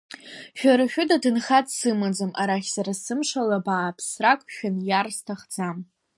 Шәара шәыда ҭынха дсымаӡам, арахь сара сымшала бааԥсрак шәаниар сҭахӡам…